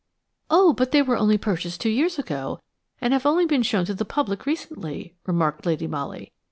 "Oh, they were only purchased two years ago, and have only been shown to the public recently," remarked Lady Molly.